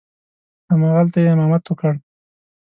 همغلته یې امامت وکړ.